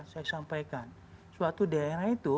saya sampaikan suatu daerah itu